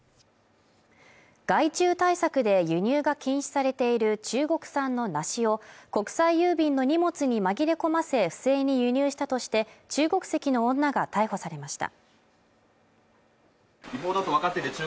害虫対策で輸入が禁止されている中国産の梨を国際郵便の荷物に紛れ込ませ不正に輸入したとして中国籍の女が逮捕されました